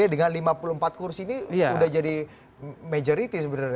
dengan lima puluh empat kursi ini sudah jadi majority sebenarnya